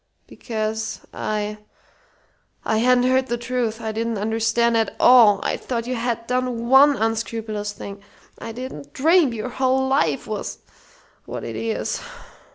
Because I I hadn't heard the truth. I didn't understand at all. I thought you had done one unscrupulous thing. I didn't dream your whole life was what it is.